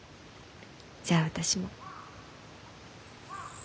じゃあ私も。